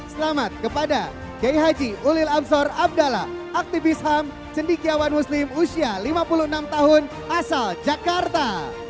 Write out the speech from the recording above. selamat kepada kiai haji ulil ansor abdallah aktivis ham cendikiawan muslim usia lima puluh enam tahun asal jakarta